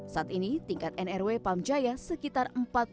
saat ini tingkat nrw pump jaya sekitar empat puluh enam